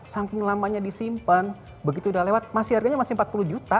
saking lamanya disimpan begitu udah lewat masih harganya masih empat puluh juta